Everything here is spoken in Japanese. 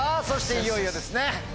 そしていよいよですね。